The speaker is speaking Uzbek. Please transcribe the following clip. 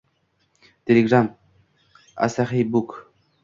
Telegram: asaxiybook